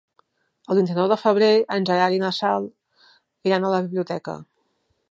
El vint-i-nou de febrer en Gerard i na Sol iran a la biblioteca.